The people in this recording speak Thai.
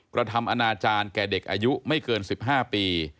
กระทำอนาจารย์แก่เด็กอายุไม่เกิน๑๕ปี